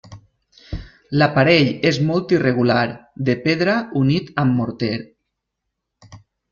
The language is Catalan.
L'aparell és molt irregular, de pedra unit amb morter.